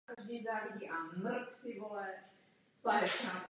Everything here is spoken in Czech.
Většina služeb a infrastruktury se nachází v okolních větších vesnicích.